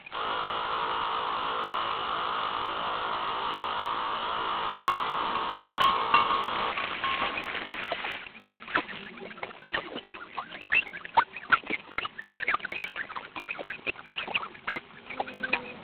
mwaka na utawala wa mvua na nguvu Tunaweza